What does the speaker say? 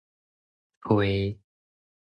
揣